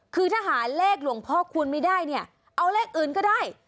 คือถ้าหาเลขหลวงพ่อคูณไม่ได้เนี่ยเอาเลขอื่นก็ได้